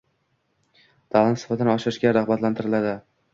ta’lim sifatini oshirishga rag'batlantiradi